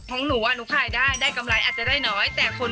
ของหนูว่าหนูค่ายได้ได้กำไรอาจจะได้น้อย